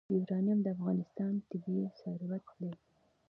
یورانیم د افغانستان طبعي ثروت دی.